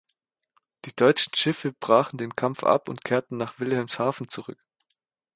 Die deutschen Schiffe brachen den Kampf ab und kehrten nach Wilhelmshaven zurück.